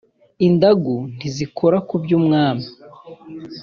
Indagu ntizikora ku by’ubwami